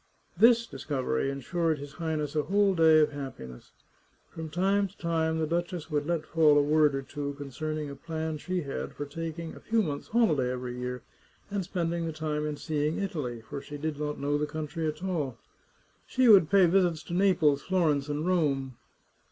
This discovery insured his Highness a whole day of hap piness. From time to time the duchess would let fall a word or two concerning a plan she had for taking a few months' holiday every year, and spending the time in seeing Italy, for she did not know the country at all. She would pay visits to Naples, Florence, and Rome.